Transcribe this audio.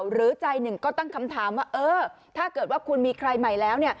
หรือใจหนึ่งก็ตั้งคำถามว่าเออถ้าเกิดว่าคุณมีใครใหม่แล้ว